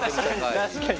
確かに。